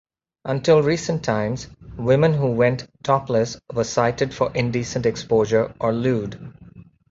Until recent times, women who went topless were cited for indecent exposure or lewd.